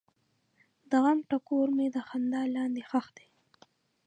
د غم ټکور مې د خندا لاندې ښخ دی.